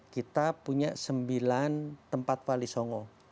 kita punya sembilan tempat wali songo